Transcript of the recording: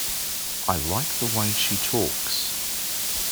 I like the way she talks.